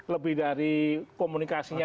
lebih dari komunikasinya